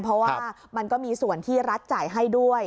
เพราะว่ามันก็มีส่วนที่รัฐจ่ายให้ด้วย